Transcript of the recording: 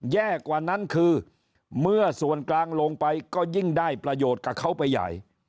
แย่กว่านั้นคือเมื่อส่วนกลางลงไปก็ยิ่งได้ประโยชน์กับเขาไปใหญ่